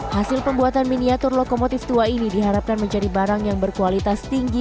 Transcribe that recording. hasil pembuatan miniatur lokomotif tua ini diharapkan menjadi barang yang berkualitas tinggi